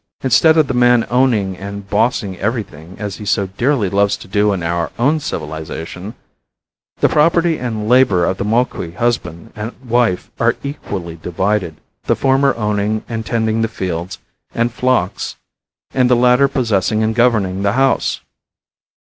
Instead of the man owning and bossing everything, as he so dearly loves to do in our own civilization, the property and labor of the Moqui husband and wife are equally divided, the former owning and tending the fields and flocks and the latter possessing and governing the house.